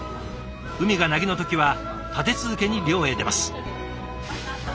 海が凪の時は立て続けに漁へ出ます。